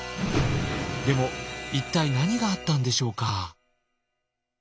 でも一体何があったんでしょうか？